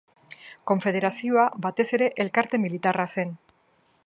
Konfederazioa, batez ere, elkarte militarra zen.